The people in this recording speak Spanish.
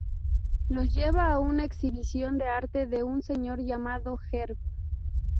Los lleva a una exhibición de arte de un señor llamado Herb.